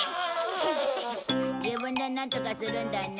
自分でなんとかするんだね。